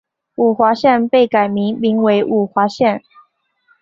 五华县被改名名为五华县。